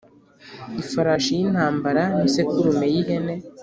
ifarashi y’intambara n’isekurume y’ihene